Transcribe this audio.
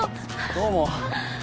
どうも。